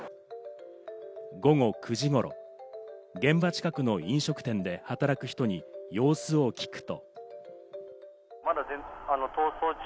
午後９時頃、現場近くの飲食店で働く人に様子を聞くと。